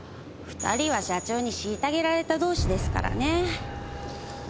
２人は社長に虐げられた同士ですからね。